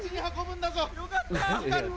・よかった！